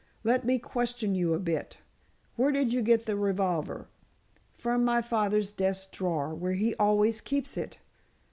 Let me question you a bit. Where did you get the revolver?" "From my father's desk drawer, where he always keeps it."